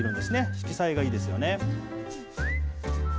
色彩がいいですよね。